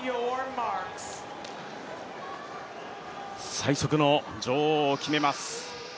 最速の女王を決めます。